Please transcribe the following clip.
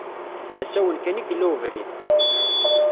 D asawen kan i yella ubrid.